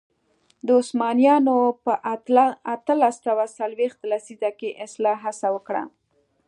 عثمانیانو په اتلس سوه څلوېښت لسیزه کې اصلاح هڅه وکړه.